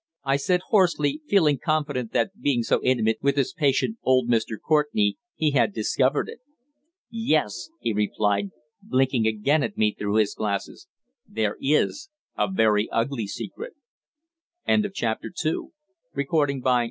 I said hoarsely, feeling confident that being so intimate with his patient, old Mr. Courtenay, he had discovered it. "Yes," he replied, blinking again at me through his glasses. "There is a very ugly secret." CHAPTER III. THE COURTENAYS.